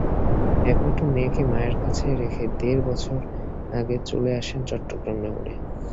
একমাত্র মেয়েকে মায়ের কাছে রেখে দেড় বছর আগে চলে আসেন চট্টগ্রাম নগরে।